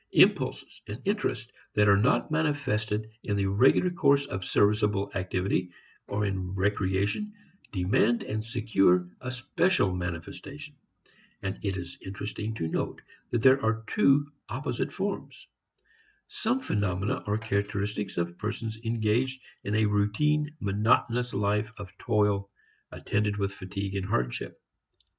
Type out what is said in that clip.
Impulses and interests that are not manifested in the regular course of serviceable activity or in recreation demand and secure a special manifestation. And it is interesting to note that there are two opposite forms. Some phenomena are characteristic of persons engaged in a routine monotonous life of toil attended with fatigue and hardship.